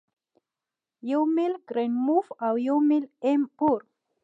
یو میل کرینموف او یو میل ایم پور